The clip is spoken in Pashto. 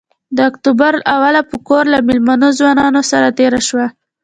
د اکتوبر اوله په کور له مېلمنو ځوانانو سره تېره شوه.